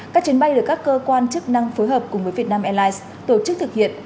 các chuyến bay được các cơ quan chức năng phối hợp cùng với vietnam airlines tổ chức thực hiện